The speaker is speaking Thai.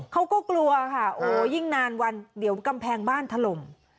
เขาก็กลัวค่ะโอ้ยิ่งนานวันเดี๋ยวกำแพงบ้านถล่ม